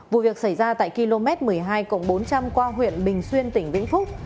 vụ việc xảy ra tại km một mươi hai bốn trăm linh qua huyện bình xuyên tỉnh vĩnh phúc